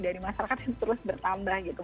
dari masyarakat yang terus bertambah gitu